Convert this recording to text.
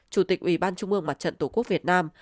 chủ tịch ủy ban trung ương mặt trận tổ quốc việt nam